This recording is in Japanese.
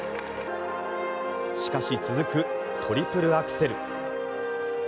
しかし、続くトリプルアクセル。